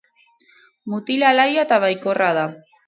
Mutil alaia eta baikorra da.